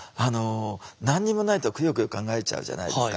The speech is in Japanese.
何にもないとくよくよ考えちゃうじゃないですか。